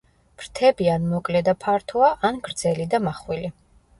ფრთები ან მოკლე და ფართოა, ან გრძელი და მახვილი.